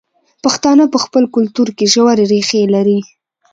پښتانه په خپل کلتور کې ژورې ریښې لري.